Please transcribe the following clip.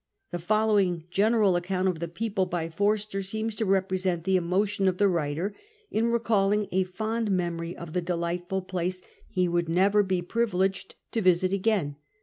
Tho follow ing general account of the people by Forster seems to represent the emotion of the writer in recalling a fond memory of the delightful place ho would never be privi' leged to visit again.